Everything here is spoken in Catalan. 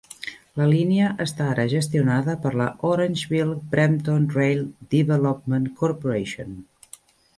La línia està ara gestionada per la Orangeville Brampton Rail Development Corporation.